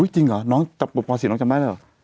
จริงหรอน้องจับปุ่นป๔น้องจำได้หรือ